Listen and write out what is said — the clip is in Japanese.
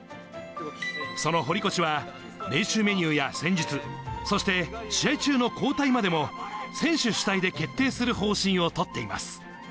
その堀越は、練習メニューや戦術、そして試合中の交代までも、選手主体で決定する方針を取っています。